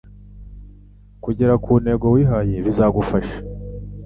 Kugera ku ntego wihaye bizagufasha